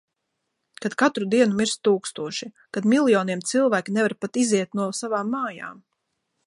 Kad katru dienu mirst tūkstoši. Kad miljoniem cilvēki nevar pat iziet no savām mājām.